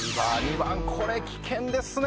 これ危険ですね。